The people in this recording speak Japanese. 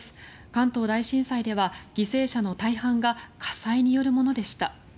関東大震災では犠牲者の大半が火災によるものでした。